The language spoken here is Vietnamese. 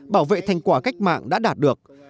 bảo vệ thành quả cách mạng đã đạt được